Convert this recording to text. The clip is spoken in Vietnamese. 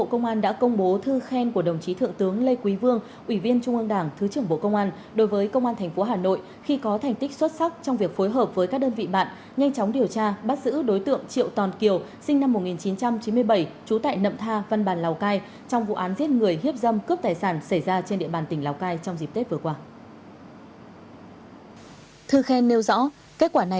công an đã công bố thư khen của đồng chí thượng tướng lê quý vương ủy viên trung ương đảng thứ trưởng bộ công an đối với công an tp hà nội khi có thành tích xuất sắc trong việc phối hợp với các đơn vị bạn nhanh chóng điều tra bắt giữ đối tượng triệu tòn kiều sinh năm một nghìn chín trăm chín mươi bảy trú tại nậm tha văn bàn lào cai trong vụ án giết người hiếp dâm cướp tài sản xảy ra trên địa bàn tỉnh lào cai trong dịp tết vừa qua